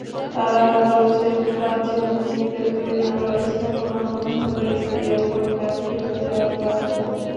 তাঁরা বলছেন, প্রাচীন গ্রিকদের তৈরি কোনো স্থাপনা মনে হলেও এটি এখন ব্যাকটেরিয়ার রাজ্য।